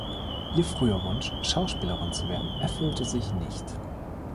Ihr früher Wunsch, Schauspielerin zu werden, erfüllte sich nicht.